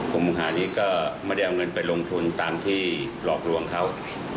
กลุ่มหานี้ก็ไม่ได้เอาเงินไปลงทุนตามที่หลอกลวงเขา